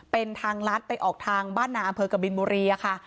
เป็นทางลัดไปออกทางบ้านนาอำเภอกบินบุรีค่ะ